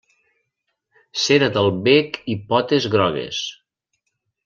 Cera del bec i potes grogues.